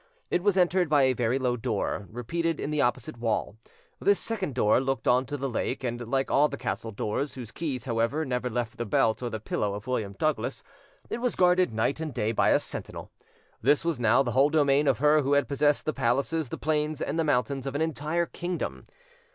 It was entered by a very low door, repeated in the opposite wall; this second door looked on to the lake and, like all the castle doors, whose keys, however, never left the belt or the pillow of William Douglas, it was guarded night and day by a sentinel. This was now the whole domain of her who had possessed the palaces, the plains, and the mountains of an entire kingdom.